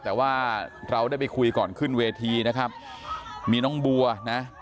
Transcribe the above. แต่ว่าเราได้ไปคุยก่อนขึ้นเวทีนะครับมีน้องบัวนะ